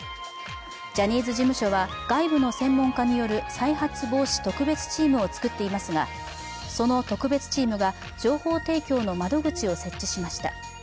ジャニーズ事務所は外部の専門家による再発防止特別チームを作っていますが、その特別チームが情報提供の窓口を設置しました。